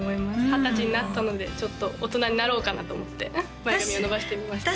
二十歳になったのでちょっと大人になろうかなと思って前髪を伸ばしてみました